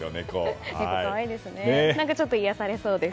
ちょっと癒やされそうです。